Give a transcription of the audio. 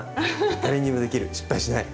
誰にでもできる失敗しない！